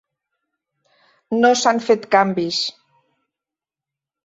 No s'han fet canvis.